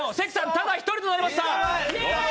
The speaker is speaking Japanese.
ただ、一人となりました。